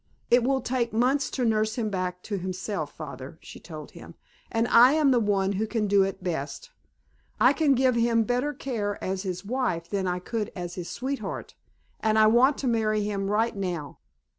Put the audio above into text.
"It will take months to nurse him back to himself, Father," she told him, "and I am the one who can do it best. I can give him better care as his wife than I could as his sweetheart, and I want to marry him right now."